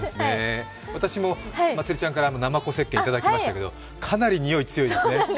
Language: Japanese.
私もまつりちゃんからなまこ石鹸いただきましたけどかなり匂い強いですね。